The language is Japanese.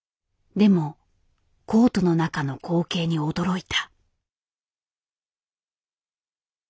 でもコートの中の光景に驚いた。